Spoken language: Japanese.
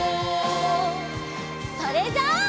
それじゃあ。